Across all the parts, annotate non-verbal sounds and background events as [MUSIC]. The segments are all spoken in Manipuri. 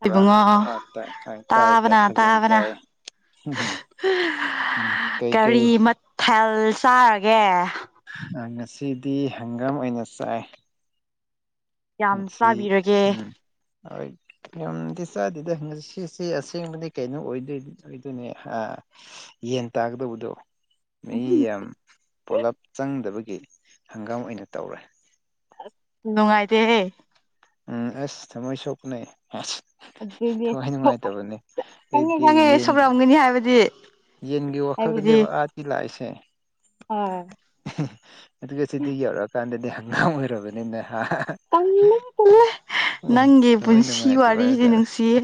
ꯕꯣꯔꯥ ꯍꯣꯏ ꯇꯥꯏ ꯇꯥꯏ ꯇꯥꯏꯌꯦ ꯇꯥꯏꯌꯦ ꯇꯥꯕꯅ ꯐꯖ ꯇꯥꯕꯅ ꯇꯥꯏꯌꯦ ꯍꯝꯍꯝ ꯎꯝ ꯀꯩ ꯀꯩ ꯐꯦꯜ ꯆꯥꯔꯒꯦ ꯑꯥ ꯉꯁꯤꯗꯤ ꯍꯪꯒꯥꯝ ꯑꯣꯏꯅ ꯆꯥꯏ ꯌꯥꯝ ꯆꯥꯕꯤꯔꯒꯦ ꯑꯩꯠ ꯌꯥꯝꯗꯤ ꯆꯥꯗꯦꯗ ꯉꯁꯤꯁꯦ ꯑꯁꯦꯡꯕꯗꯤ ꯀꯩꯅꯣ ꯑꯣꯏꯗꯣꯏꯅꯦ ꯑꯣꯏꯗꯣꯏꯅꯦ ꯍꯥ ꯌꯦꯟ ꯇꯥꯒꯗꯧꯕꯗꯣ ꯃꯍꯤ ꯌꯥꯝ ꯄꯨꯂꯞ ꯆꯪꯗꯕꯒꯤ ꯍꯪꯒꯥꯝ ꯑꯣꯏꯅ ꯇꯧꯔꯦ ꯅꯨꯡꯉꯥꯏꯇꯦꯍꯦ ꯎꯝ ꯑꯁ ꯊꯥꯃꯣꯏ ꯁꯣꯛꯄꯅꯦ ꯑꯦꯁ ꯑꯗꯨꯅꯦ [UNINTELLIGIBLE] ꯈꯪꯉꯦ ꯑꯩꯗꯤ ꯈꯪꯉꯦ ꯌꯦꯟꯒꯤ ꯁꯣꯛꯔꯝꯒꯅꯤ ꯍꯥꯏꯕꯗꯤ ꯌꯦꯟꯒꯤ ꯋꯥꯈꯜꯗꯅꯦꯕ ꯑꯗꯒꯤ ꯂꯥꯏꯁꯦ ꯍꯣꯏ ꯑꯗꯨꯒ ꯁꯤꯗ ꯌꯧꯔꯛꯑꯀꯥꯟꯗꯗꯤ ꯍꯪꯒꯥꯝ ꯑꯣꯏꯔꯕꯅꯤꯅ ꯍꯥ ꯇꯜꯂꯦ ꯇꯜꯂꯦ ꯑꯦ ꯅꯪꯒꯤ ꯊꯃꯣꯏ ꯄꯨꯟꯁꯤ ꯅꯨꯡꯉꯥꯏꯇꯕ ꯋꯥꯔꯤꯖꯤ ꯍꯥꯏꯇꯥꯔꯦ ꯅꯨꯡꯁꯤꯌꯦ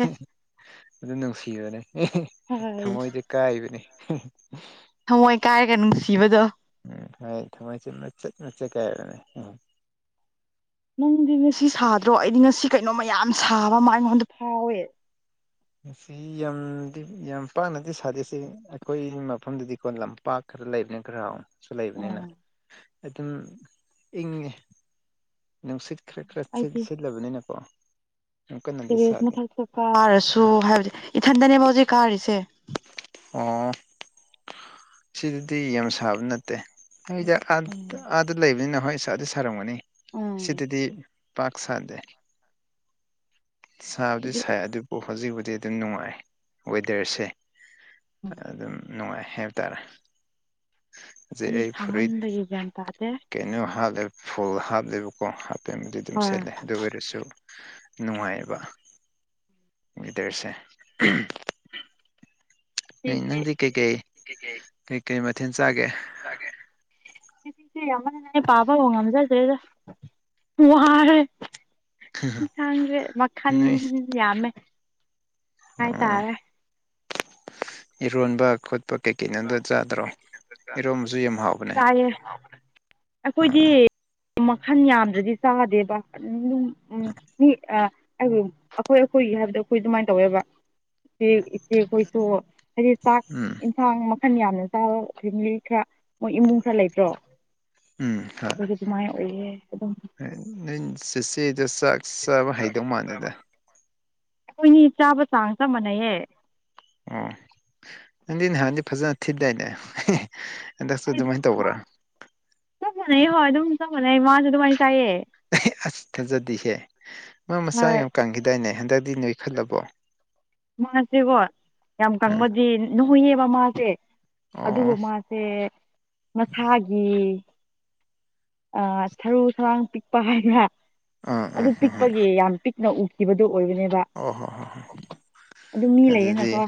ꯑꯗꯨ ꯅꯨꯡꯁꯤꯕꯅꯦ ꯍꯣꯏ ꯊꯃꯣꯏꯗꯤ ꯀꯥꯏꯕꯅꯤ ꯊꯃꯣꯏ ꯀꯥꯏꯔꯒ ꯅꯨꯡꯁꯤꯕꯗꯣ ꯎꯝ ꯍꯣꯏ ꯊꯥꯃꯣꯏꯖꯦ ꯃꯆꯦꯠ ꯃꯆꯦꯠ ꯀꯥꯏꯔꯦ ꯅꯪꯗꯤ ꯉꯁꯤ ꯁꯥꯗ꯭ꯔꯣ ꯑꯩꯗꯤ ꯉꯁꯤ ꯀꯩꯅꯣꯝꯃ ꯌꯥꯝ ꯁꯥꯕ ꯑꯃ ꯑꯩꯉꯣꯟꯗ ꯐꯥꯎꯋꯦ ꯃꯁꯤ ꯌꯥꯝꯗꯤ ꯌꯥꯝ ꯄꯥꯛꯅꯗꯤ ꯁꯥꯗꯦ ꯁꯤ ꯑꯩꯈꯣꯏ ꯃꯐꯝꯗꯗꯤꯀꯣ ꯂꯝꯄꯥꯛ ꯈꯔ ꯂꯩꯕꯅꯤꯅ ꯈꯔ ꯈꯔꯁꯨ ꯂꯩꯕꯅꯤꯅ ꯑꯣ ꯑꯗꯨꯝ ꯏꯪꯉꯦ ꯅꯨꯡꯁꯤꯠ ꯈꯔ ꯈꯔ ꯑꯩꯗꯤ ꯁꯤꯠꯂꯕꯅꯤꯅꯀꯣ ꯌꯥꯝ ꯀꯟꯅꯗꯤ ꯇꯦꯔꯦꯁ ꯁꯥꯗꯦ ꯃꯊꯛꯇ ꯀꯥꯔꯁꯨ ꯍꯥꯏꯕꯗꯤ ꯏꯊꯟꯗꯅꯦꯕ ꯍꯧꯖꯤꯛ ꯀꯥꯔꯤꯁꯦ ꯑꯣ ꯁꯤꯗꯗꯤ ꯌꯥꯝ ꯁꯥꯕ ꯅꯠꯇꯦ ꯅꯣꯏꯗꯣ ꯎꯝ ꯑꯥꯗ ꯂꯩꯕꯅꯤꯅ ꯍꯣꯏ ꯁꯥꯗꯤ ꯁꯥꯔꯝꯒꯅꯤ ꯎꯝ ꯁꯤꯗꯗꯤ ꯄꯥꯛ ꯁꯥꯗꯦ ꯁꯥꯕꯨꯗꯤ ꯑꯗꯨꯗꯤ ꯁꯥꯏ ꯑꯁ ꯑꯗꯨꯕꯨ ꯍꯧꯖꯤꯛꯕꯨꯗꯤ ꯑꯗꯨꯝ ꯅꯨꯡꯉꯥꯏ ꯋꯦꯗꯔꯁꯦ ꯑꯗꯨꯝ ꯅꯨꯡꯉꯥꯏ ꯍꯥꯏꯕ ꯇꯥꯔꯦ ꯍꯧꯖꯤꯛ ꯑꯩꯗꯤ ꯑꯩ ꯐꯨꯔꯤꯠ ꯁꯥꯃꯟꯕꯒꯤ ꯒ꯭ꯌꯥꯟ ꯇꯥꯗꯦ ꯀꯩꯅꯣ ꯍꯥꯞꯂꯦ ꯐꯨꯜ ꯍꯥꯞꯂꯦꯕꯀꯣ ꯍꯥꯞꯄꯦꯟ ꯕꯨꯗꯤ ꯑꯗꯨꯝ ꯍꯣꯏ ꯁꯦꯠꯂꯦ ꯑꯗꯨ ꯑꯣꯏꯔꯁꯨ ꯅꯨꯡꯉꯥꯏꯕ ꯋꯦꯗꯔꯁꯦ ꯁꯤꯒꯤ ꯅꯪꯗꯤ ꯀꯩꯀꯩ ꯀꯩꯀꯩ ꯃꯊꯦꯜ ꯆꯥꯒꯦ ꯃꯦꯁꯦꯖꯁꯦ ꯌꯥꯝꯃꯟꯗꯅ ꯄꯥꯕꯕꯨ ꯉꯝꯖꯗꯔꯦꯗ ꯋꯥꯔꯦ ꯏꯟꯁꯥꯡꯁꯦ ꯃꯈꯜ ꯅꯣꯏ ꯌꯥꯝꯃꯦ ꯑꯣ ꯍꯥꯏꯇꯥꯔꯦ ꯏꯔꯣꯟꯕ ꯈꯣꯠꯄ ꯀꯩꯀꯩ ꯑꯗꯨ ꯆꯥꯗ꯭ꯔꯣ ꯏꯔꯣꯟꯕꯁꯨ ꯌꯥꯝ ꯍꯥꯎꯕꯅꯦ ꯆꯥꯏꯌꯦ ꯑꯩꯈꯣꯏꯗꯤ ꯑꯥ ꯃꯈꯜ ꯌꯥꯝꯗ꯭ꯔꯗꯤ ꯆꯥꯗꯦꯕ ꯑꯝ ꯑꯩꯈꯣꯏ ꯑꯩꯈꯣꯏꯒꯤ ꯍꯥꯏꯕꯗꯣ ꯑꯩꯈꯣꯏ ꯑꯗꯨꯃꯥꯏꯅ ꯇꯧꯋꯦꯕ ꯏꯆꯦ ꯏꯆꯦꯈꯣꯏꯁꯨ ꯍꯥꯏꯗꯤ ꯆꯥꯛ ꯎꯝ ꯌꯦꯟꯁꯥꯡ ꯃꯈꯟ ꯌꯥꯝꯅ ꯆꯥꯕ ꯐꯦꯃꯤꯂꯤ ꯈꯔ ꯃꯣꯏ ꯏꯃꯨꯡ ꯈꯔ ꯂꯩꯇ꯭ꯔꯣ ꯎꯝ ꯑꯩꯈꯣꯏꯁꯨ ꯑꯗꯨꯃꯥꯏꯅ ꯑꯣꯏꯌꯦ ꯑꯗꯨꯝ ꯅꯪ ꯆꯦꯆꯦꯗꯨ ꯆꯥꯛ ꯆꯥꯕ ꯍꯩꯗꯧ ꯃꯥꯟꯗꯦꯗ ꯑꯩꯈꯣꯏꯅꯤ ꯆꯥꯕ ꯆꯥꯡ ꯆꯞ ꯃꯥꯟꯅꯩꯌꯦ ꯑꯣ ꯅꯪꯗꯤ ꯅꯍꯥꯟꯗꯤ ꯐꯖꯅ ꯊꯤꯗꯥꯏꯅꯦ ꯍꯟꯗꯛꯁꯨ ꯑꯩ ꯑꯗꯨꯝ ꯑꯗꯨꯃꯥꯏꯅ ꯃꯥ ꯇꯧꯕ꯭ꯔꯥ ꯆꯞ ꯃꯥꯟꯅꯩ ꯍꯣꯏ ꯑꯗꯨꯝ ꯆꯞ ꯃꯥꯟꯅꯩ ꯃꯥꯁꯨ ꯑꯗꯨꯃꯥꯏꯅ ꯆꯥꯏꯌꯦ ꯑꯁ ꯊꯥꯖꯗꯤꯍꯦ ꯃꯥ ꯃꯆꯥ ꯍꯣꯏ ꯌꯥꯝ ꯀꯪꯈꯤꯗꯥꯏꯅꯦ ꯍꯟꯗꯛꯇꯤ ꯅꯣꯏꯈꯜꯂꯕꯣ ꯃꯥꯁꯦꯒꯣ ꯌꯥꯝ ꯎꯝ ꯀꯪꯕꯗꯤ ꯅꯣꯢꯌꯦꯕ ꯃꯥꯁꯦ ꯑꯗꯨꯒ ꯑꯣ ꯃꯥꯁꯦ ꯃꯁꯥꯒꯤ ꯑ ꯁꯔꯨ ꯁꯔꯥꯡ ꯄꯤꯛꯄ ꯍꯥꯏꯕ꯭ꯔꯥ ꯑꯥ ꯑꯥ ꯑꯗꯨ ꯍ ꯍ ꯄꯤꯛꯄꯒꯤ ꯌꯥꯝ ꯄꯤꯛꯅ ꯎꯈꯤꯕꯗꯨ ꯑꯣꯏꯕꯅꯦꯕ ꯑꯣ ꯍꯣ ꯍꯣꯏ ꯍꯣꯏ ꯑꯗꯨ ꯃꯤ ꯑꯗꯨꯗꯤ ꯂꯩꯌꯦꯅꯀꯣ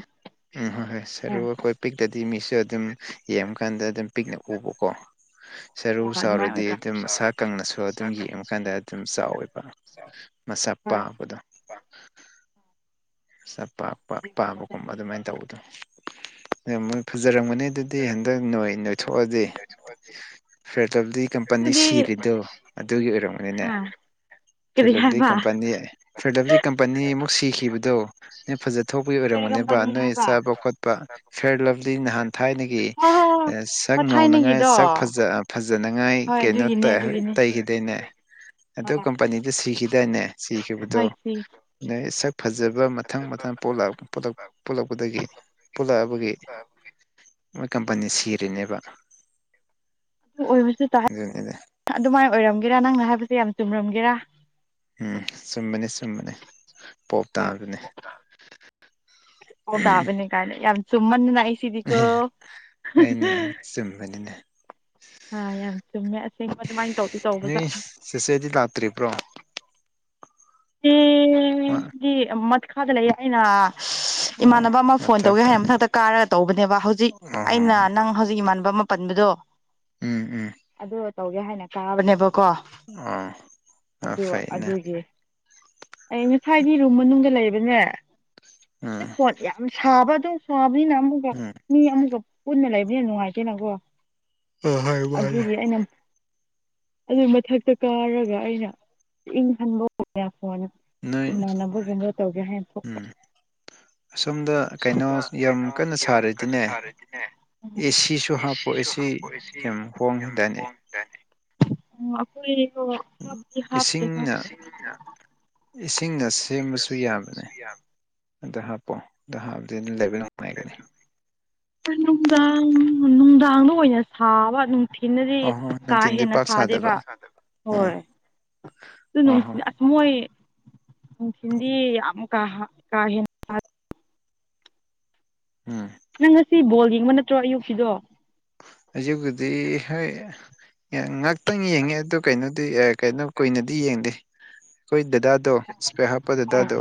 ꯎꯝ ꯍꯣꯏ ꯍꯣꯏ ꯁꯔꯨ ꯑꯥ ꯑꯩꯈꯣꯏ ꯄꯤꯛꯇꯗꯤ ꯃꯤꯁꯨ ꯑꯗꯨꯝ ꯌꯦꯡꯕꯀꯥꯟꯗ ꯑꯗꯨꯝ ꯄꯤꯛꯅ ꯎꯕꯀꯣ ꯁꯔꯨ ꯑꯗꯨꯃꯥꯏꯅ ꯆꯥꯎꯔꯗꯤ ꯑꯣꯏꯕ ꯑꯗꯨꯝ ꯑꯁꯥ ꯀꯪꯑꯁꯨ ꯑꯗꯨꯝ ꯌꯦꯡꯕꯀꯥꯟꯗ ꯑꯗꯨꯝ ꯆꯥꯎꯋꯦꯕ ꯃꯁꯥ ꯍꯣꯏ ꯄꯥꯕꯗꯣ ꯃꯁꯥ ꯄꯥꯛꯄ ꯄꯥꯕꯒꯨꯝꯕ ꯑꯗꯨꯃꯥꯏꯅ ꯇꯧꯕꯗꯣ ꯃꯣꯏ ꯐꯖꯔꯝꯒꯅꯤ ꯑꯗꯨ ꯗꯤ ꯍꯟꯗꯛ ꯅꯣꯏ ꯅꯣꯏꯊꯣꯛꯑꯗꯤ [UNINTELLIGIBLE] ꯀꯝꯄꯅꯤ ꯑꯗꯨꯗꯤ ꯁꯤꯔꯤꯗꯣ ꯑꯗꯨꯒꯤ ꯑꯣꯏꯔꯝꯒꯅꯤꯅꯦ ꯑ ꯀꯔꯤ [UNINTELLIGIBLE] ꯍꯥꯏꯕ ꯀꯝꯄꯅꯤ [UNINTELLIGIBLE] ꯀꯝꯄꯅꯤ ꯑꯃꯨꯛ ꯁꯤꯈꯤꯕꯗꯣ ꯅꯣꯢ ꯐꯖꯊꯣꯛꯄꯒꯤ ꯀꯔꯤ ꯑꯣꯏꯔꯝꯒꯅꯦꯕ ꯀꯝꯄꯅꯤ ꯅꯣꯏ ꯍꯥꯏꯕ ꯆꯥꯕ ꯈꯣꯠꯄ ꯐꯤꯌꯥꯔ ꯂꯥꯞꯂꯤ ꯅꯍꯥꯟ ꯊꯥꯏꯅꯒꯤ ꯎ ꯍꯣꯏ ꯍꯣꯏ [INAUDIBLE] ꯁꯛ ꯍꯣꯏ ꯉꯧꯅꯉꯥꯏ ꯊꯥꯏꯅꯒꯤꯗꯣ ꯁꯛ ꯐꯖ ꯐꯖꯅꯉꯥꯏ ꯍꯣꯏ ꯀꯩꯅꯣ ꯑꯗꯨꯒꯤꯅꯦ ꯇ ꯑꯗꯨꯒꯤꯅꯦ ꯇꯩꯈꯤꯗꯣꯏꯅꯦ ꯑꯗꯨ ꯀꯝꯄꯅꯤꯗ ꯁꯤꯈꯤꯗꯥꯏꯅꯦ ꯁꯤꯈꯤꯕꯗꯣ ꯑꯥꯏ ꯁꯤ ꯅꯣꯏ ꯁꯛ ꯐꯖꯕ ꯃꯊꯪ ꯃꯊꯪ ꯄꯣꯛꯂꯛꯄꯗꯒꯤ ꯄꯨꯣꯂꯛꯑꯕꯒꯤ ꯑ ꯃꯣꯏ ꯀꯝꯄꯅꯤ ꯁꯤꯔꯤꯅꯦꯕ ꯑꯣꯏꯁꯁꯨ ꯇꯦ ꯑꯗꯨꯅꯦꯗ ꯑꯗꯨꯃꯥꯏꯅ ꯑꯣꯏꯔꯝꯒꯦꯔ ꯅꯪꯅ ꯍꯥꯏꯕꯁꯦ ꯌꯥꯝ ꯆꯨꯝꯔꯝꯒꯦꯔꯥ ꯎꯝ ꯆꯨꯝꯕꯅꯤ ꯆꯨꯝꯕꯅꯤ ꯄꯣꯞ ꯇꯥꯕꯅꯤ ꯑꯣ ꯇꯥꯕꯅꯦ ꯀꯥꯦ ꯌꯥꯝ ꯆꯨꯝꯕꯅꯥ ꯉꯛꯏ ꯁꯤꯗꯤꯀꯣ ꯑꯩꯅꯦ ꯆꯨꯝꯕꯅꯤꯅꯦ ꯑꯥ ꯌꯥꯝ ꯆꯨꯝꯃꯦ ꯑꯁꯦꯡꯕ ꯑꯗꯨꯃꯥꯏꯅ ꯇꯧꯗꯤ ꯅꯣꯏ ꯇꯧꯕꯖꯥꯠꯅ ꯆꯦꯆꯦꯗꯤ ꯂꯥꯛꯇ꯭ꯔꯤꯕ꯭ꯔꯣ ꯑ [UNINTELLIGIBLE] ꯃꯈꯥꯗ ꯂꯩꯌꯦ ꯍꯥꯏꯅ ꯏꯃꯥꯟꯅꯕ ꯑꯃ ꯐꯣꯟ ꯇꯧꯒꯦ ꯍꯥꯏꯅ ꯃꯊꯛꯇ ꯀꯥꯔꯒ ꯇꯧꯕꯅꯦꯕ ꯍꯧꯖꯤꯛ ꯑꯣ ꯍꯣ ꯑꯩꯅ ꯍꯣ ꯅꯪ ꯍꯧꯖꯤꯛ ꯏꯃꯥꯟꯅꯕ ꯑꯃ ꯄꯟꯕꯗꯣ ꯎꯝ ꯎꯝ ꯑꯗꯨ ꯇꯧꯒꯦ ꯍꯥꯏꯅ ꯀꯥꯕꯅꯦꯕꯀꯣ ꯑꯣ ꯑ ꯑꯗꯨ ꯐꯩꯅꯦ ꯑꯗꯨꯒꯤ ꯑꯩ ꯉꯁ꯭ꯥꯏꯗꯤ ꯔꯨꯝ ꯃꯅꯨꯡꯗ ꯂꯩꯕꯅꯦ ꯑꯗꯨ ꯎꯝ ꯐꯣꯟꯠ ꯌꯥꯝ ꯁꯥꯕ ꯑꯗꯨꯝ ꯁꯥꯕꯅꯤꯅ ꯑꯃꯨꯛꯀ ꯎꯝ ꯃꯤ ꯑꯃꯨꯛꯀ ꯄꯨꯟꯅ ꯂꯩꯕꯅꯤꯅ ꯅꯨꯡꯉꯥꯏꯇꯦꯅꯀꯣ ꯍꯣꯏ ꯍꯣꯏ ꯃꯥꯅꯦ ꯑꯗꯨꯒꯤ ꯑꯩꯅ ꯑꯗꯨꯏ ꯃꯊꯛꯇ ꯀꯥꯔꯒ ꯑꯩꯅ ꯏꯪ ꯍꯟꯕ ꯍꯕꯅ ꯐꯣꯟꯅ ꯅꯣꯏ ꯏꯃꯥꯟꯅꯕꯒꯅꯦ ꯇꯧꯒꯦ ꯍꯥꯏꯅ ꯊꯣꯛꯄ ꯑ [UNINTELLIGIBLE] ꯑꯁꯣꯝꯗ ꯀꯩꯅꯣ ꯌꯥꯝ ꯀꯟꯅ ꯁꯥꯔꯗꯤꯅꯦ ꯑꯦꯁꯤꯁꯨ ꯍꯥꯞꯄꯣ ꯑꯦꯁꯤ ꯌꯥꯝ ꯍꯣꯡꯉꯤ ꯗꯥꯏꯅꯦ ꯑꯩꯈꯣꯏ ꯍꯥꯞ ꯍꯥꯞꯇꯦ [UNINTELLIGIBLE] ꯏꯁꯤꯡꯗꯥ [UNINTELLIGIBLE] [UNINTELLIGIBLE] ꯌꯥꯝ ꯑꯗ ꯍꯥꯞꯄꯣ ꯑꯗ ꯍꯥꯞꯗꯤ ꯑꯗꯨ ꯂꯩꯕ ꯅꯨꯡꯉꯥꯏꯒꯅꯤ ꯅꯨꯡꯗꯥꯡ ꯅꯨꯡꯗꯥꯡꯗ ꯑꯣꯏꯅ ꯁꯥꯕ ꯊꯤꯅꯗꯤ ꯑꯣ ꯍꯣ ꯀꯥ ꯅꯨꯡꯊꯤꯟꯗꯤ ꯍꯦꯟꯅ ꯄꯥꯛ ꯁꯥꯗꯦꯕ ꯁꯥꯗꯕ ꯎꯝ ꯍꯣꯏ ꯑꯗꯨ ꯑꯣ ꯍꯣ ꯅꯨꯡꯊꯤꯜ ꯃꯣꯏ ꯅꯨꯡꯊꯤꯜꯗꯤ ꯌꯥꯝ ꯀꯥ ꯀꯥ ꯍꯦꯟꯅ ꯎꯝ ꯅꯪ ꯉꯁꯤ ꯕꯣꯜ ꯌꯦꯡꯕ ꯅꯠꯇ꯭ꯔꯣ ꯑꯌꯨꯛꯀꯤꯗꯣ ꯍꯧꯖꯤꯛꯄꯨꯗꯤ ꯍꯣꯏ ꯉꯥꯛꯇꯪ ꯌꯦꯡꯉꯦ ꯑꯗꯨ ꯀꯩꯅꯣꯗꯤ ꯀꯩꯅꯣ ꯀꯨꯏꯅꯗꯤ ꯌꯦꯡꯗꯦ ꯑꯩꯈꯣꯏ ꯗꯗꯥ ꯑꯗꯣ ꯏ꯭ꯁꯄꯦꯛ ꯍꯥꯞꯄ ꯗꯥꯗꯨ ꯍꯣꯏ ꯑꯗꯣ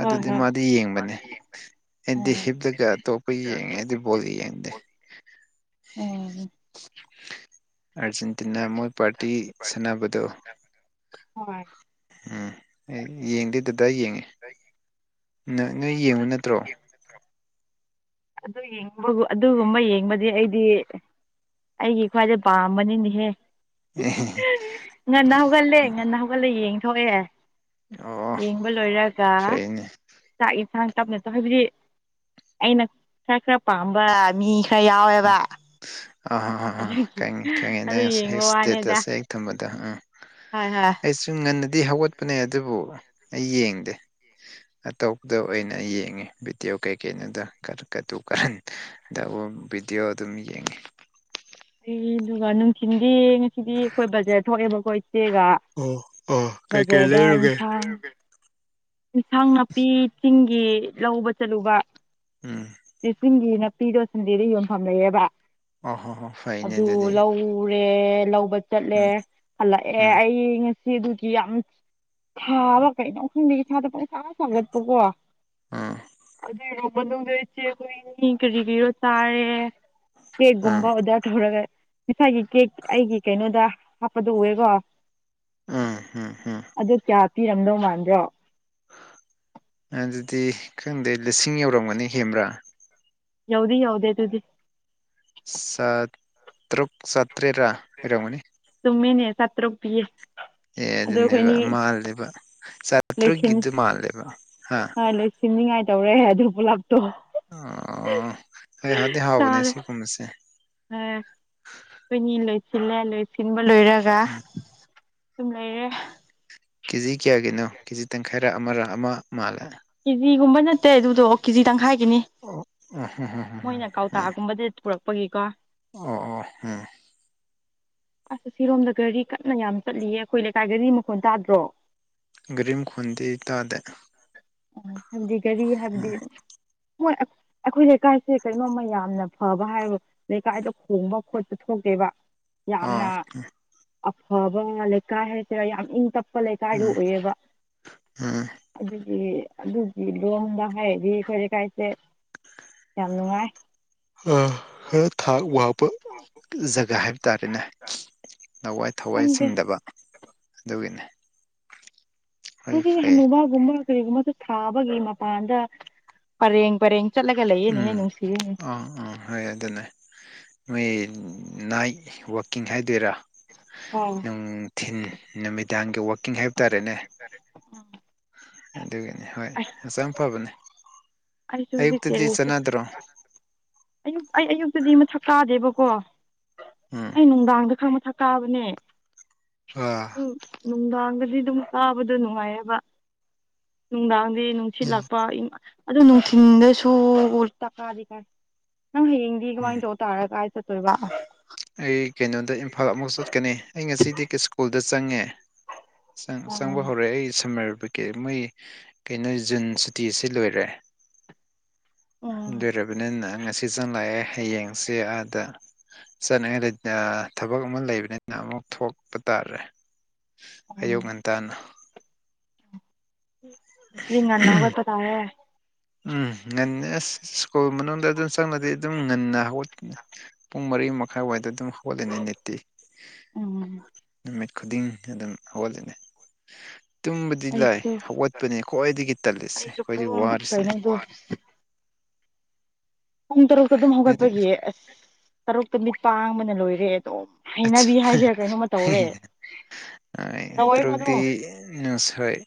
ꯑꯗꯨꯗꯤ ꯍꯣꯏ ꯃꯥꯗꯤ ꯌꯦꯡꯕꯅꯦ ꯑꯩꯗꯤ ꯎꯝ ꯍꯤꯞꯇꯒ ꯑꯇꯣꯞꯄ ꯌꯦꯡꯉꯦ ꯑꯩꯗꯤ ꯕꯣꯜꯂꯤ ꯌꯦꯡꯗꯦ [INAUDIBLE] ꯎꯝ [UNINTELLIGIBLE] ꯑꯥꯔꯖꯦꯟꯇꯤꯅꯥ ꯃꯣꯏ ꯄꯥꯔꯇꯤ ꯁꯥꯟꯅꯕꯗꯣ ꯍꯣꯏ ꯎꯝ ꯑꯦ ꯌꯦꯡꯗꯦ ꯗꯥꯗꯥ ꯌꯦꯡ [INAUDIBLE] [UNINTELLIGIBLE] ꯅ ꯅꯣꯏ ꯌꯦꯡꯕ ꯅꯠꯇ꯭ꯔꯣ [INAUDIBLE] [UNINTELLIGIBLE] ꯑꯗꯨ ꯌꯦꯡꯕꯕꯨ ꯑꯗꯨꯒꯨꯝꯕ ꯌꯦꯡꯕꯗꯤ ꯑꯩꯗꯤ ꯑꯩꯒꯤ ꯈ꯭ꯋꯥꯏꯗꯩ ꯄꯥꯝꯕꯅꯤꯅꯦꯍꯦ [UNINTELLIGIBLE] ꯉꯟꯅ ꯍꯧꯒꯠꯂꯦ ꯉꯟꯅ ꯍꯧꯒꯠꯂꯦ ꯌꯦꯡꯊꯣꯛꯑꯦ ꯑꯣ ꯌꯦꯡꯕ ꯂꯣꯏꯔꯒ ꯐꯩꯅꯦ ꯆꯥꯛ ꯌꯦꯟꯁꯥꯡ ꯇꯞꯅ ꯆꯥꯕꯤꯔꯦ ꯑꯩꯅ ꯈꯔ ꯈꯔ ꯄꯥꯝꯕ ꯃꯤ ꯈꯔ ꯌꯥꯎꯋꯦꯕ ꯑꯥꯍ ꯑꯥꯥ ꯑꯗꯨꯒꯤ ꯈꯪꯉꯦ ꯈꯪꯉꯦ ꯑꯗꯨ ꯅꯪ ꯌꯦꯡꯕ ꯋꯥꯅꯦꯗ ꯁ꯭ꯇꯦꯇꯁꯁꯦ ꯍꯦꯛ ꯊꯝꯕꯗ ꯑꯥ ꯍꯣꯏ ꯍꫭꯏ ꯁꯨꯝ ꯉꯟꯅꯗꯤ ꯍꯧꯒꯠꯄꯅꯦ ꯑꯗꯨꯕꯨ ꯑꯩ ꯌꯦꯡꯗꯦ ꯑꯇꯣꯞꯄꯗ ꯑꯣꯏꯅ ꯑꯩ ꯌꯦꯡꯉꯤ ꯚꯤꯗꯤꯑꯣ ꯀꯩꯀꯩꯅꫭꯗ ꯀꯇꯨ ꯀꯥꯔꯟ [UNINTELLIGIBLE] ꯚꯤꯗꯤꯑꯣ ꯑꯗꯨꯝ ꯌꯦꯡꯉꯤ ꯑꯗꯨꯒ ꯅꯨꯡꯊꯤꯟꯜꯗꯤ ꯉꯁꯤꯗꯤ ꯀꫭꯏꯕ ꯆꯠꯊꫭꯛꯑꯦꯕꯀꫭ ꯏꯆꯦꯒ ꯑꯣ ꯑꯣ ꯀꯩꯀꯩ ꯕꯖꯔꯗ ꯂꯩꯔꯨꯒꯦ ꯏꯝꯐꯥꯟ ꯑꯦꯟꯁꯥꯡ ꯅꯥꯄꯤ ꯆꯤꯡꯒꯤ ꯂꯧꯕ ꯆꯠꯂꯨꯕ ꯎꯝ ꯁꯤ ꯆꯤꯡꯒꯤ ꯅꯥꯄꯤꯗꯣ ꯁꯟꯗꯦꯗ ꯌꯣꯟꯐꯝ ꯂꯩꯑꯦꯕ ꯑꯣ ꯍꯣ ꯍꯣ ꯐꯩꯅꯦ ꯑꯗꯨ ꯑꯗꯨꯗꯤ ꯂꯧ ꯎꯔꯦ ꯂꯧꯕ ꯆꯠꯂꯦ ꯎꯝ ꯍꯜꯂꯛꯑꯦ ꯎꯝ ꯑꯩ ꯉꯁꯤ ꯁꯤ ꯑꯗꯨꯒꯤ ꯌꯥꯝ ꯊꯥꯕ ꯀꯩꯅꯣ ꯈꯪꯗ ꯏꯁꯥꯗ ꯄꯨꯡꯁꯥ ꯁꯥꯒꯠꯄ ꯀꯣ ꯑꯥ [UNINTELLIGIBLE] ꯑꯩꯈꯣꯏꯅꯤ ꯀꯔꯤꯀꯔꯤꯔꯣ ꯆꯥꯔꯦ ꯀꯦꯛꯒꯨꯝꯕ ꯑꯥ ꯑꯣꯗꯔ ꯇꯧꯔꯒ ꯉꯁꯥꯏꯒꯤ ꯀꯦꯛ ꯑꯩꯒꯤ ꯀꯩꯅꯣꯗ ꯍꯥꯞꯄꯗꯣ ꯎꯑꯦꯀꯣ ꯎꯝ ꯎꯝ ꯎꯝ ꯑꯗꯨ ꯀꯌꯥ ꯄꯤꯔꯝꯗꯧ ꯃꯥꯟꯕ꯭ꯔꯣ ꯑꯗꯨꯗꯤ ꯈꯪꯗꯦ ꯂꯤꯁꯤꯡ ꯌꯧꯔꯝꯒꯅꯤ ꯍꯦꯝꯕ꯭ꯔꯥ ꯌꯎꯗꯤ ꯌꯎꯗꯦ ꯑꯗꯨꯗꯤ ꯆꯠꯇ꯭ꯔꯨꯛ ꯆꯇ꯭ꯔꯦꯠꯔ ꯄꯤꯔꯝꯒꯅꯤ ꯆꯨꯝꯃꯤꯅꯦ ꯆꯇ꯭ꯔꯨꯛ ꯄꯤꯌꯦ ꯑꯦ ꯑꯗꯨ ꯑꯗꯨꯅꯦꯕ ꯑꯩꯈꯣꯏꯅꯤ ꯃꯥꯜꯂꯦꯕ ꯆꯥꯇ꯭ꯔꯨꯛꯒꯤꯗꯨ ꯃꯥꯜꯂꯦꯕ ꯍꯥ ꯁꯤꯅꯤꯡꯉꯥꯏ ꯇꯧꯔꯦ ꯑꯗꯨ ꯄꯨꯂꯞꯇꯣ ꯑꯣ ꯍꯣꯏ ꯍꯥꯎꯗꯤ ꯍꯥꯎꯕꯅꯦ ꯁꯤꯒꯨꯝꯕꯁꯦ ꯍꯣꯏ ꯑꯩꯈꯣꯏꯅꯤ ꯂꯣꯏꯁꯤꯜꯂꯦ ꯂꯣꯏꯁꯤꯟꯕ ꯂꯣꯏꯔꯒ ꯎꯝ ꯁꯨꯝ ꯂꯩꯔꯦ ꯀꯦꯖꯤ ꯀꯌꯥꯒꯤꯅꯣ ꯀꯦꯖꯤ ꯇꯪꯈꯥꯏꯔ ꯑꯃꯔ ꯑꯃ ꯃꯥꯜꯂꯦ ꯀꯦꯖꯤꯒꯨꯝꯕ ꯅꯠꯇꯦ ꯑꯗꯨꯗꯣ ꯀꯦꯖꯤ ꯇꯪꯈꯥꯏꯒꯤꯅꯤ ꯑꯣ ꯎꯝ ꯃꯣꯏꯅ ꯀꯥꯎ ꯎꯝ ꯇꯥꯒꯨꯝꯕꯗꯤ ꯄꯨꯔꯛꯄꯒꯤꯀꯣ ꯑꯣ ꯑꯣ ꯎꯝ ꯑꯁ ꯑꯁꯤꯔꯣꯝꯗ ꯒꯥꯔꯤ ꯀꯟꯅ ꯌꯥꯝ ꯆꯠꯂꯤꯌꯦ ꯑꯩꯈꯣꯏ ꯂꯩꯀꯥꯏ ꯒꯥꯔꯤ ꯃꯈꯣꯟꯜ ꯇꯥꯗ꯭ꯔꯣ ꯒꯔꯤ ꯒꯈꫭꯟꯗꯤ ꯇꯥꯗꯦ ꯍꯥꯏꯕꯗꯤ ꯒꯥꯔꯤ ꯍꯥꯏꯕꯗꯤ ꯎꯝ [UNINTELLIGIBLE] ꯑꯩꯈꯣꯏ ꯂꯩꯀꯥꯏꯁꯦ ꯀꯩꯅꯣꯝꯃ ꯌꯥꯝꯅ ꯐꯕ ꯍꯥꯏꯕꯨ ꯂꯩꯀꯥꯏꯗ ꯈꯣꯡꯕ ꯈꯣꯠꯄ ꯊꯣꯛꯀꯦꯕ ꯌꯥꯝꯅ ꯑꯥ ꯑꯐꯕ ꯂꯩꯀꯥꯏ ꯍꯥꯏꯁꯤꯔ ꯌꯥꯝ ꯏꯪ ꯇꯞ ꯄ ꯂꯩꯀꯥꯏꯗꯨ ꯎꯝ ꯑꯣꯏꯌꯦꯕ ꯎꯝ [INAUDIBLE] ꯑꯗꯨꯒꯤ ꯂꯣꯡꯗ ꯍꯥꯏꯔꯗꯤ ꯑꯩꯈꯣꯏ ꯂꯩꯀꯥꯏꯁꯦ ꯌꯥꯝ ꯅꯨꯡꯉꯥꯏ ꯈꯔ ꯊꯥꯛ ꯋꯥꯡꯕ ꯖꯒꯥ ꯍꯥꯏꯕ ꯇꯥꯔꯦꯅꯦ ꯅꯋꯥꯏ ꯊꯋꯥꯏ ꯈꯪꯗꯦ ꯆꯤꯡꯗꯕ ꯑꯗꯨꯒꯤꯅꯤ ꯈꯣꯏꯗꯤ ꯍꯅꯨꯕꯥꯒꯨꯝꯕ ꯀꯔꯤꯒꯨꯝꯕꯁꯨ ꯊꯥꯕꯒꯤ ꯃꯄꯥꯟꯗ ꯄꯔꯦꯡ ꯄꯔꯦꯡ ꯆꯠꯂꯒ ꯂꯩꯌꯦꯅꯦꯍꯦ ꯎꯝ ꯅꯨꯡꯁꯤꯌꯦ꯫ ꯑꯥ ꯑꯥ ꯍꯣꯏ ꯑꯗꯨꯅꯦ ꯅꯣꯏ ꯅꯥꯏꯠ ꯋꯥꯛꯀꯤꯡ ꯍꯥꯏꯗꯣꯏꯔꯥ꯫ ꯑꯥ ꯅꯨꯡꯊꯤꯟ ꯅꯨꯃꯤꯗꯥꯡꯒꯤ ꯋꯥꯛꯀꯤꯡ ꯍꯥꯏꯕ ꯇꯥꯔꯦꯅꯦ꯫ ꯇꯥꯔꯦꯅꯦ꯫ ꯑꯗꯨꯒꯤꯅꯤ ꯍꯣꯏ ꯑꯁ ꯍꯛꯆꯥꯡ ꯐꯕꯅꯦ ꯑꯩꯁꯨ ꯍꯧꯖꯤꯛ ꯑꯌꯨꯛꯇꯗꯤ ꯇꯦꯔꯦꯁ ꯆꯠꯅꯗ꯭ꯔꯣ꯫ ꯑꯌꯨꯛ ꯑꯩ ꯑꯌꯨꯛꯇꯗꯤ ꯃꯊꯛ ꯀꯥꯗꯦꯕꯀꯣ꯫ ꯎꯝ ꯑꯩ ꯅꯨꯡꯗꯥꯡꯗ ꯈꯪ ꯃꯊꯛ ꯀꯥꯕꯅꯦ꯫ ꯑꯥ꯫ ꯑꯗꯨ ꯅꯨꯡꯗꯥꯡꯗꯗꯤ ꯑꯗꯨꯝ ꯀꯥꯕꯗꯣ ꯅꯨꯡꯉꯥꯏꯌꯦꯕ꯫ ꯅꯨꯡꯗꯥꯡꯗꯤ ꯅꯨꯡꯁꯤꯠ ꯎꯝ ꯂꯥꯛꯄ [UNINTELLIGIBLE] ꯑꯗꯨ ꯅꯨꯡꯊꯤꯟꯗꯁꯨ ꯇꯀꯥꯗꯤ ꯀꯥꯏ ꯅꯪ ꯍꯌꯦꯡꯗꯤ ꯀꯃꯥꯏꯅ ꯇꯧ ꯇꯥꯔꯦ ꯀꯥꯏ ꯆꯠ ꯇꯣꯏꯕ꯫ ꯑꯩ ꯀꯩꯅꯣꯗ ꯏꯝꯐꯥꯜ ꯑꯃꯨꯛ ꯆꯠꯀꯅꯤ ꯑꯩ ꯉꯁꯤꯗꯤ ꯁ꯭ꯀꯨꯜꯗ ꯆꯪꯉꯦ꯫ ꯆꯪ ꯑꯣ ꯆꯪꯕ ꯍꯧꯔꯦ ꯑꯩ ꯁꯝꯃꯔ [UNINTELLIGIBLE] ꯀꯦ ꯃꯣꯏ ꯀꯩꯅꯣ ꯖꯨꯟ ꯁꯨꯇꯤꯁꯤ ꯂꯣꯏꯔꯦ꯫ ꯎꯝ ꯂꯣꯏꯔꯕꯅꯤꯅ ꯉꯁꯤ ꯆꯪꯪꯂꯛꯑꯦ ꯍꯌꯦꯡꯁꯦ ꯑꯥꯗ ꯆꯠꯅꯤꯡꯉꯥꯏ ꯂꯩ-ꯑ ꯊꯕꯛ ꯑꯃ ꯂꯩꯕꯅꯤꯅ ꯑꯃꯨꯛ ꯊꯣꯛꯄ ꯇꯥꯔꯦ꯫ ꯎꯝ ꯑꯌꯨꯛ ꯉꯟꯇꯥꯅ꯫ [INAUDIBLE] ꯑꯗꯨꯗꯤ ꯉꯟꯅ ꯍꯧꯒꯠꯄ ꯇꯥꯔꯦ꯫ ꯎꯝ ꯉꯟꯅ ꯑꯁ ꯁ꯭ꯀꯨꯜ ꯃꯅꯨꯡꯗ ꯑꯗꯨꯝ ꯆꯪꯂꯗꯤ ꯑꯗꯨꯝ ꯉꯟꯅ ꯍꯧꯒꯠꯀꯅꯤ꯫ ꯄꯨꯡ ꯃꯔꯤ ꯃꯈꯥꯏꯋꯥꯏꯗ ꯑꯗꯨꯝ ꯍꯧꯒꯠꯂꯅꯤ ꯅꯤꯇꯤ ꯎꯝ ꯅꯨꯃꯤꯠ ꯈꯨꯗꯤꯡ ꯑꯗꯨꯝ ꯍꯧꯒꯠꯂꯅꯤ꯫ ꯇꯨꯝꯕꯗꯤ ꯂꯥꯏ ꯑꯩꯁꯨ ꯍꯧꯒꯠꯄꯅꯦ ꯈ꯭ꯋꯥꯏꯗꯒꯤ ꯇꯜꯂꯤꯁꯦ ꯑꯩꯁꯨ ꯈ꯭ꯋꯥꯏꯗꯒꯤ ꯄꯨꯡ ꯋꯥꯔꯤꯁꯦ꯫ [INAUDIBLE] ꯄꯨꯡ ꯇꯔꯨꯛꯇ ꯑꯗꯨꯝ ꯅꯣꯏꯗꯤ ꯍꯧꯒꯠꯄꯒꯤ ꯑꯁ ꯇꯔꯨꯛꯇ ꯃꯤꯠ ꯄꯥꯡꯕꯅ ꯂꯣꯏꯔꯦ ꯑꯗꯨꯝ ꯍꯩꯅꯕꯤ ꯍꯥꯏꯁꯤꯔꯥ ꯀꯩꯅꯣꯃ ꯇꯧꯔꯦ꯫ ꯑꯥꯏ ꯇꯧꯋꯦꯕ ꯑꯗꯨꯝ ꯇꯔꯨꯛꯇꯤ ꯅꯁ-ꯍꯣꯏ꯫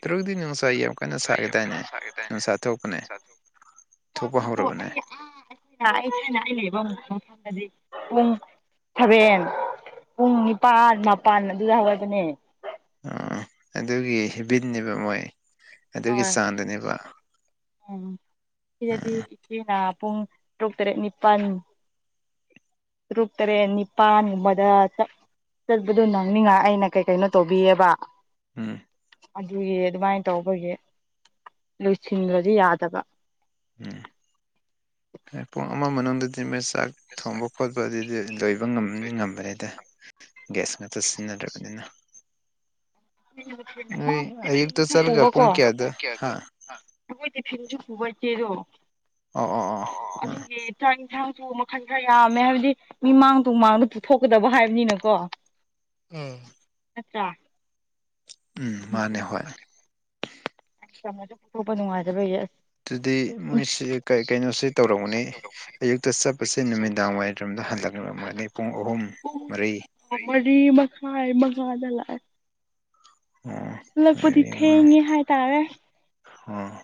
ꯇꯔꯨꯛꯇꯤ ꯅꯨꯡꯁꯥ ꯌꯥꯝ ꯀꯟꯅ ꯁꯥꯔꯦꯗꯥꯏꯅꯦ ꯅꯨꯡꯁꯥ ꯊꯣꯛꯄꯅꯦ꯫ ꯊꯣꯛꯄ ꯍꯣꯏꯁꯨ ꯍꯧꯔꯕꯅꯦ꯫ ꯑꯩ ꯑꯥ ꯑꯩꯈꯣꯏꯅ ꯑꯩ ꯊꯥꯏꯅ ꯑꯩ ꯂꯩꯕ ꯃꯐꯝꯗꯗꯤ ꯄꯨꯡ ꯁꯕꯦꯟ ꯄꯨꯡ ꯅꯤꯄꯥꯟ ꯃꯥꯄꯟ ꯑꯗꯨꯗ ꯍꯧꯒꯠꯄꯅꯦ꯫ ꯑꯣ ꯑꯗꯨꯒꯤ ꯍꯦꯕꯤꯠꯅꯦꯕ ꯃꯣꯏ ꯑꯗꯨꯒꯤ ꯍꯣꯏ ꯆꯥꯡꯗꯅꯦꯕ꯫ ꯎꯝ ꯁꯤꯗꯗꯤ ꯎꯝ ꯏꯆꯦꯅ ꯄꯨꯡ ꯇꯔꯨꯛ ꯇꯔꯦꯠ ꯅꯤꯄꯟ ꯇꯔꯨꯨꯛ ꯇꯔꯦꯠ ꯅꯤꯄꯥꯟ ꯒꯨꯝꯕꯗ ꯆꯠ ꯆꯠꯄꯗꯣ ꯅꯪꯅꯤꯡꯉꯥꯏ ꯑꯩꯅ ꯀꯩ ꯀꯩꯅꯣ ꯇꯧꯕꯤꯌꯦꯕ꯫ ꯎꯝ꯫ ꯑꯗꯨꯒꯤ ꯑꯗꯨꯃꯥꯏꯅ ꯇꯧꯕꯒꯤ ꯂꯣꯏꯁꯤꯟꯗ꯭ꯔꯗꯤ ꯌꯥꯗꯕ꯫ ꯎꯝ [INAUDIBLE] ꯄꯨꯡ ꯑꯃ ꯃꯅꯨꯡꯗꯗꯤ ꯃꯦꯁ ꯆꯥꯛ ꯊꯣꯡꯕ ꯈꯣꯠ ꯄꯗꯨꯗꯤ ꯂꯣꯏꯕ ꯉꯝꯅꯤ ꯉꯝꯕꯅꯤꯗ ꯒ꯭ꯌꯥꯁ ꯉꯥꯛꯇ ꯁꯤꯖꯤꯟꯅꯗ꯭ꯔꯕꯅꯤꯅ꯫ [INAUDIBLE] ꯄꯨꯕꯀꯣ ꯄꯨꯡ ꯀꯌꯥꯗ ꯍꯥ ꯑꯩꯈꯣꯏ ꯇꯤꯐꯤꯟꯁꯨ ꯄꯨꯕ ꯏꯆꯦꯗꯣ꯫ ꯑꯣ ꯑꯣ ꯑꯣ ꯑꯣ ꯑ꯫ ꯑꯗꯨꯒꯤ ꯆꯥꯛ ꯌꯦꯟꯁꯥꯡꯁꯨ ꯃꯈꯜ ꯈꯔ ꯌꯥꯝꯃꯦ ꯍꯥꯏꯕꯗꯤ ꯃꯤ ꯃꯥꯡ ꯇꯨ ꯃꯥꯡꯗ ꯄꯨꯊꯣꯛꯀꯗꯕ ꯍꯥꯏꯕꯅꯤꯅꯀꯣ ꯎꯝ ꯅꯠꯇꯔꯥ ꯎꯝ ꯃꯥꯅꯦ ꯍꯣꯏ inaudible ꯄꯨꯕ ꯅꯨꯉꯥꯏꯇꯕꯒꯤ ꯑꯗꯨꯗꯤ ꯅꯣꯏꯁꯤ ꯀꯩ-ꯀꯩꯅꯣꯁꯤ ꯇꯧꯔꯝꯒꯅꯤ ꯑꯌꯨꯛꯇ ꯆꯠꯄꯁꯦ ꯅꯨꯃꯤꯗꯥꯡ ꯋꯥꯏꯔꯔꯣꯝꯗ ꯍꯜꯂꯛꯔꯝꯃꯒꯅꯤ ꯄꯨꯡ ꯑꯍꯨꯝ ꯄꯨꯡ ꯃꯔꯤ ꯃꯔꯤ ꯃꯈꯥꯏ ꯃꯉꯥꯗ ꯂꯥꯛꯑꯦ ꯎꯝ ꯍꯂꯛꯄꯗꯤ ꯊꯦꯡꯉꯦ ꯍꯥꯏꯇꯥꯔꯦ ꯑꯣ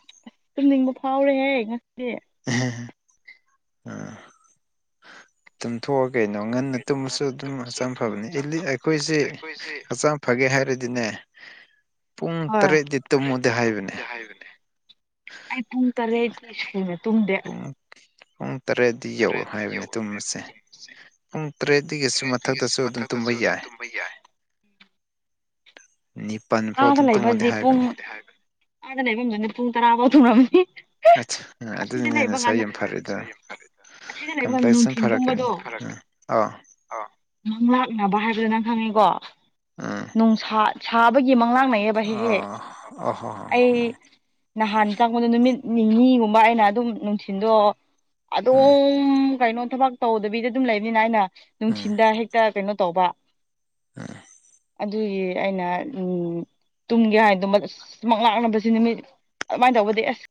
ꯇꯨꯝꯅꯤꯡꯕ ꯐꯥꯎꯔꯦꯍꯦ ꯉꯁꯤꯗꯤ ꯑꯦ ꯍꯦ ꯇꯨꯝꯊꯣꯛꯑꯣ ꯀꯩꯅꯣ ꯉꯟꯅ ꯇꯨꯝꯕꯁꯨ ꯑꯗꯨꯝ ꯍꯛꯆꯝ ꯐꯕꯅꯤ ꯑꯦꯂꯤ ꯑꯩꯈꯣꯏꯁꯦ ꯍꯥꯆꯥꯡ ꯐꯒꯦ ꯍꯥꯏꯔꯗꯤꯅꯦ ꯄꯨꯡ ꯍꯣꯏ ꯇꯔꯦꯠꯗꯤ ꯇꯨꯝꯃꯨꯗꯤ ꯍꯥꯏꯕꯅꯦ ꯑꯩ ꯐꯨꯡ ꯇꯔꯦ ꯑꯩ ꯁꯀꯨꯅ ꯇꯨꯝꯗꯦ ꯄꯨꯡ ꯄꯨꯡ ꯇꯔꯦꯠ ꯗꯤ ꯌꯧꯔꯣ ꯍꯥꯏꯕꯅꯦ ꯇꯨꯝꯕꯁꯦ ꯄꯨꯡ ꯇꯔꯦꯠꯇꯒꯤꯁꯨ ꯃꯊꯛꯇꯁꯨ ꯑꯗꯨꯝ ꯇꯨꯝꯕ ꯌꯥꯏ ꯍꯣꯏ ꯌꯥꯏ ꯅꯤꯄꯥꯟ ꯐꯥꯎ ꯑꯗ ꯑꯗꯨꯝ ꯇꯨꯝꯃꯣꯗꯤ ꯂꯩꯕꯁꯗꯤ ꯄꯨꯡ ꯍꯥꯏꯕꯅꯦ ꯑꯥꯗ ꯂꯩꯐꯝꯗꯨꯅ ꯄꯨꯡ ꯇꯔꯥꯐꯥꯎ ꯇꯨꯝꯔꯝꯅꯤ ꯑꯁ ꯑꯁꯤꯗꯤ ꯑꯗꯨꯅꯤꯅꯦ ꯂꯩꯕ ꯅꯁꯥ ꯀꯥꯟꯗ ꯌꯥꯝ ꯐꯔꯤꯗꯣ ꯑꯁꯤꯗ ꯂꯩꯕ ꯀꯥꯟꯗ ꯀꯝꯄ꯭ꯂꯦꯛꯁꯟ ꯅꯨꯡꯊꯤꯟ ꯐꯔꯛꯀꯅꯤ ꯇꯨꯝꯕꯗꯣ ꯎꯝ ꯑꯥ ꯃꯪꯂꯥꯛꯅꯕ ꯍꯥꯏꯕꯗꯨ ꯅꯪ ꯈꯪꯉꯦꯀꯣ ꯎꯝ ꯅꯨꯡꯁꯥꯕ ꯁꯥ ꯕꯒꯤ ꯃꯪꯂꯥꯡꯅꯩꯌꯦꯕ ꯍꯦꯛ ꯍꯦꯛ ꯑꯣ ꯑꯣ ꯍꯣ ꯍꯣ ꯑꯩ ꯅꯍꯥꯟ ꯆꯪꯕꯗ ꯅꯨꯃꯤꯠ ꯅꯤꯅꯤꯒꯨꯝꯕ ꯑꯩꯅ ꯑꯗꯨꯝ ꯅꯨꯡꯊꯤꯟꯗꯣ ꯎꯝ ꯑꯗꯨꯝ ꯀꯩꯅꯣ ꯊꯕꯛ ꯇꯧꯗꯕꯤꯗ ꯗꯨꯝ ꯂꯩꯕꯅꯤꯅ ꯑꯩꯅ ꯎꯝ ꯅꯨꯡꯊꯤꯟꯗ ꯍꯦꯛꯇ ꯀꯩꯅꯣ ꯇꯧꯕ ꯎꯝ ꯑꯗꯨꯒꯤ ꯑꯩꯅ ꯎꯝ ꯇꯨꯝꯒꯦ ꯍꯥꯏꯅꯗꯨꯃꯛ ꯑꯁ ꯃꯪꯂꯥꯛꯅꯕꯁꯤꯅꯦ ꯃꯤꯠ ꯑꯗꯨꯃꯥꯏꯅ ꯇꯧꯕꯗꯤ ꯑꯁ